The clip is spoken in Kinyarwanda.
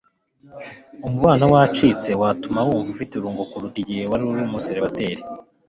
umubano wacitse watuma wumva ufite irungu kuruta igihe wari umuseribateri